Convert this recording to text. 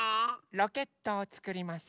ロケットをつくります。